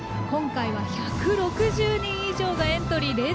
今回は１６０人以上がエントリー。